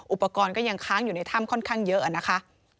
อุปกรณ์ก็ยังค้างอยู่ในถ้ำค่อนข้างเยอะนะคะ